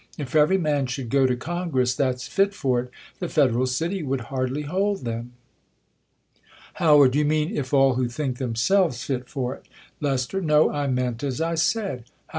If every man should go to Congress that's !lit f®r it, the federal city would hardly hold them. ! Hcw. You mean, ii all who think themselves fit 'for it. 'Lest, No ; I meant as I said. j How.